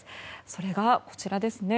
それが、こちらですね。